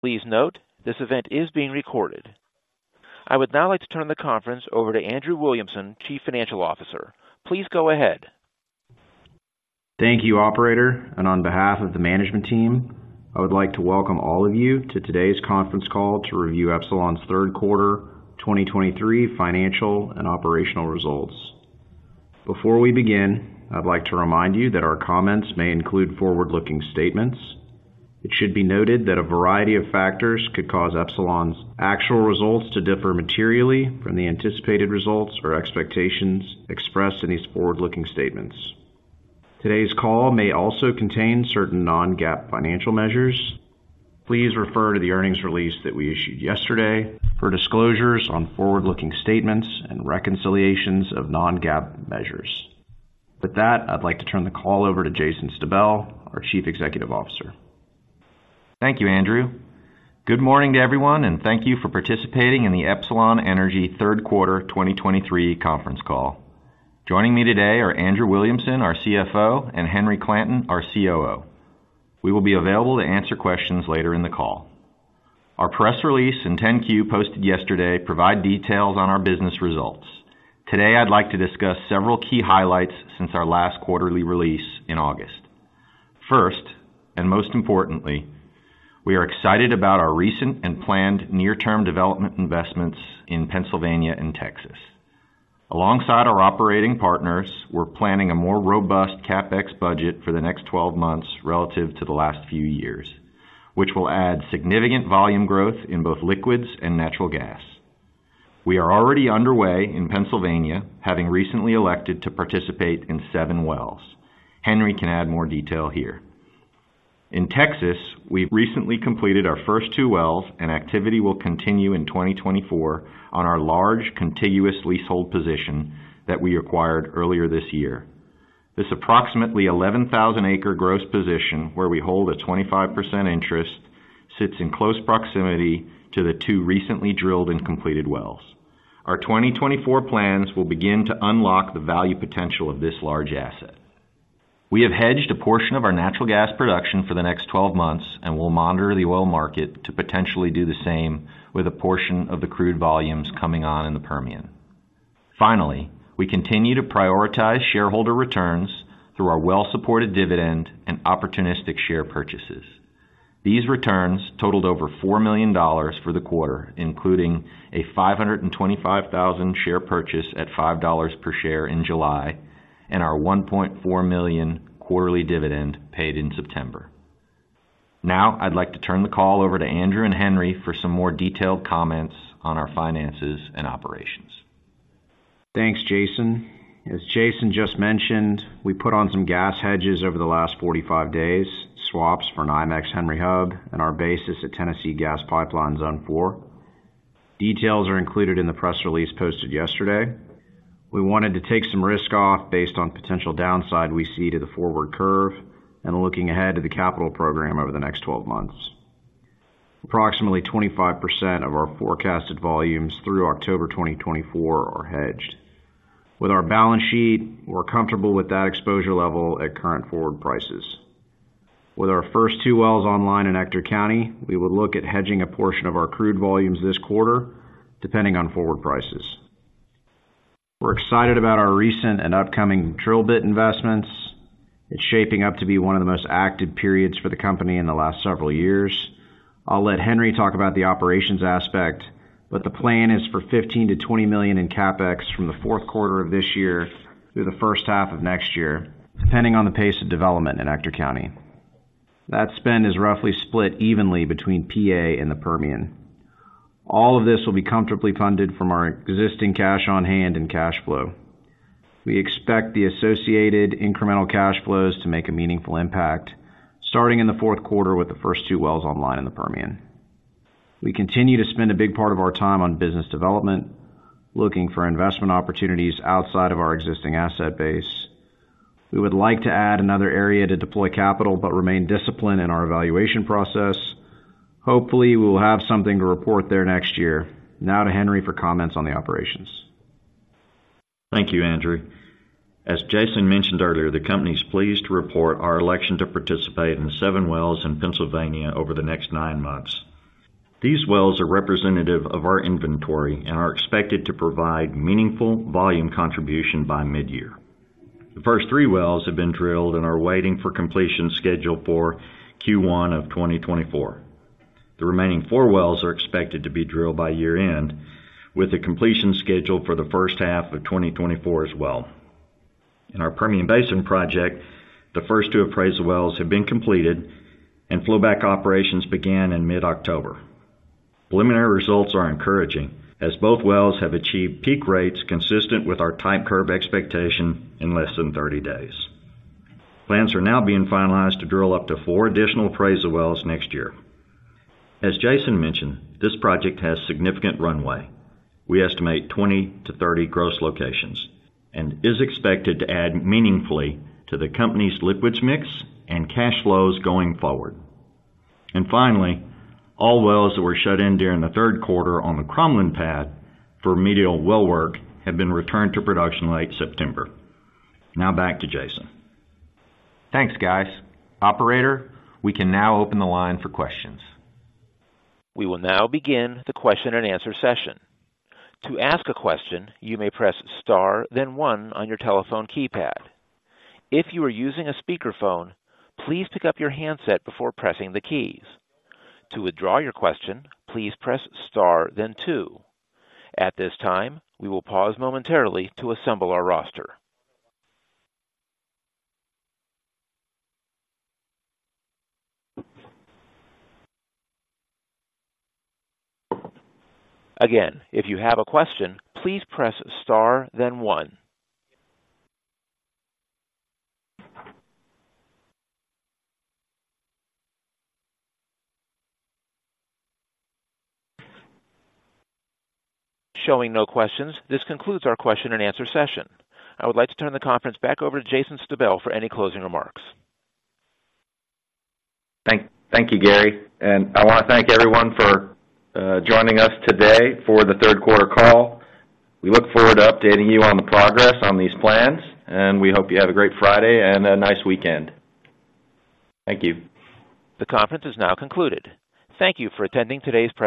Please note, this event is being recorded. I would now like to turn the conference over to Andrew Williamson, Chief Financial Officer. Please go ahead. Thank you, operator, and on behalf of the management team, I would like to welcome all of you to today's conference call to review Epsilon's third quarter 2023 financial and operational results. Before we begin, I'd like to remind you that our comments may include forward-looking statements. It should be noted that a variety of factors could cause Epsilon's actual results to differ materially from the anticipated results or expectations expressed in these forward-looking statements. Today's call may also contain certain non-GAAP financial measures. Please refer to the earnings release that we issued yesterday for disclosures on forward-looking statements and reconciliations of non-GAAP measures. With that, I'd like to turn the call over to Jason Stabell, our Chief Executive Officer. Thank you, Andrew. Good morning to everyone, and thank you for participating in the Epsilon Energy third quarter 2023 conference call. Joining me today are Andrew Williamson, our CFO, and Henry Clanton, our COO. We will be available to answer questions later in the call. Our press release and 10-Q, posted yesterday, provides details on our business results. Today, I'd like to discuss several key highlights since our last quarterly release in August. First, and most importantly, we are excited about our recent and planned near-term development investments in Pennsylvania and Texas. Alongside our operating partners, we're planning a more robust CapEx budget for the next 12 months relative to the last few years, which will add significant volume growth in both liquids and natural gas. We are already underway in Pennsylvania, having recently elected to participate in seven wells. Henry can add more detail here. In Texas, we've recently completed our first 2 wells, and activity will continue in 2024 on our large, contiguous leasehold position that we acquired earlier this year. This approximately 11,000-acre gross position, where we hold a 25% interest, sits in close proximity to the 2 recently drilled and completed wells. Our 2024 plans will begin to unlock the value potential of this large asset. We have hedged a portion of our natural gas production for the next 12 months and will monitor the oil market to potentially do the same with a portion of the crude volumes coming on in the Permian. Finally, we continue to prioritize shareholder returns through our well-supported dividend and opportunistic share purchases. These returns totaled over $4 million for the quarter, including a 525,000 share purchase at $5 per share in July and our $1.4 million quarterly dividend paid in September. Now, I'd like to turn the call over to Andrew and Henry for some more detailed comments on our finances and operations. Thanks, Jason. As Jason just mentioned, we put on some gas hedges over the last 45 days, swaps for a NYMEX Henry Hub and our basis at Tennessee Gas Pipeline Zone 4. Details are included in the press release posted yesterday. We wanted to take some risk off based on potential downside we see to the forward curve and looking ahead to the capital program over the next 12 months. Approximately 25% of our forecasted volumes through October 2024 are hedged. With our balance sheet, we're comfortable with that exposure level at current forward prices. With our first 2 wells online in Ector County, we will look at hedging a portion of our crude volumes this quarter, depending on forward prices. We're excited about our recent and upcoming drill bit investments. It's shaping up to be one of the most active periods for the company in the last several years. I'll let Henry talk about the operations aspect, but the plan is for $15 million to $20 million in CapEx from the fourth quarter of this year through the first half of next year, depending on the pace of development in Ector County. That spend is roughly split evenly between PA and the Permian. All of this will be comfortably funded from our existing cash on hand and cash flow. We expect the associated incremental cash flows to make a meaningful impact, starting in the fourth quarter with the first two wells online in the Permian. We continue to spend a big part of our time on business development, looking for investment opportunities outside of our existing asset base. We would like to add another area to deploy capital, but remain disciplined in our evaluation process. Hopefully, we will have something to report there next year. Now to Henry for comments on the operations. Thank you, Andrew. As Jason mentioned earlier, the company is pleased to report our election to participate in the 7 wells in Pennsylvania over the next 9 months. These wells are representative of our inventory and are expected to provide meaningful volume contribution by mid-year. The first 3 wells have been drilled and are waiting for completion scheduled for Q1 of 2024. The remaining 4 wells are expected to be drilled by year-end, with the completion scheduled for the first half of 2024 as well. In our Permian Basin project, the first 2 appraisal wells have been completed, and flowback operations began in mid-October. Preliminary results are encouraging, as both wells have achieved peak rates consistent with our type curve expectation in less than 30 days. Plans are now being finalized to drill up to 4 additional appraisal wells next year. As Jason mentioned, this project has significant runway. We estimate 20 to 30 gross locations, and is expected to add meaningfully to the company's liquids mix and cash flows going forward. And finally, all wells that were shut in during the third quarter on the Crumlin pad for remedial well work have been returned to production late September. Now back to Jason. Thanks, guys. Operator, we can now open the line for questions. We will now begin the question and answer session. To ask a question, you may press star, then one on your telephone keypad. If you are using a speakerphone, please pick up your handset before pressing the keys. To withdraw your question, please press star then two. At this time, we will pause momentarily to assemble our roster. Again, if you have a question, please press star, then one. Showing no questions, this concludes our question and answer session. I would like to turn the conference back over to Jason Stabell for any closing remarks. Thank you, Gary, and I want to thank everyone for joining us today for the third quarter call. We look forward to updating you on the progress on these plans, and we hope you have a great Friday and a nice weekend. Thank you. The conference is now concluded. Thank you for attending today's presentation.